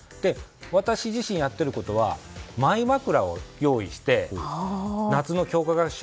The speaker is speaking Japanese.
私自身やっていることはマイ枕を用意して夏の強化合宿